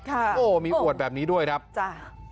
โอ้มีอวดแบบนี้ด้วยครับจ้ะ